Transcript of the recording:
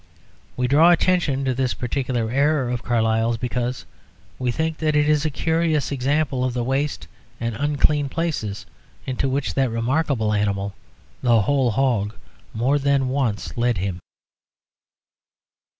We draw attention to this particular error of Carlyle's because we think that it is a curious example of the waste and unclean places into which that remarkable animal, "the whole hog," more than once led him.